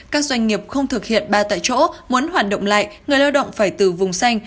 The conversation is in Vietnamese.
các doanh nghiệp không thực hiện ba tại chỗ muốn hoạt động lại người lao động phải từ vùng xanh